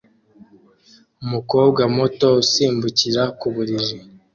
Umukobwa muto usimbukira ku buriri